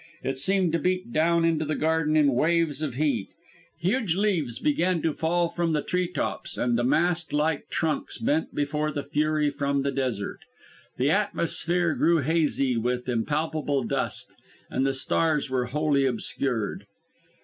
It seemed to beat down into the garden in waves of heat. Huge leaves began to fall from the tree tops and the mast like trunks bent before the fury from the desert. The atmosphere grew hazy with impalpable dust; and the stars were wholly obscured.